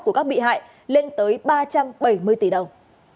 của các bị hại lên tới ba trăm bảy mươi tỷ đồng